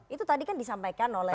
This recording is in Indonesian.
itu tadi kan disampaikan oleh